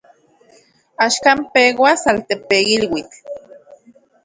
Axkan peuas altepeiluitl.